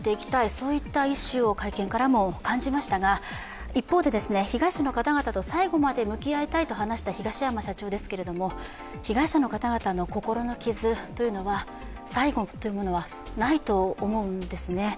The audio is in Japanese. そういった意思を会見からも感じましたが一方で、被害者の方々と最後まで向き合いたいと話した東山社長ですが被害者の方々の心の傷というのは最後というものはないと思うんですね。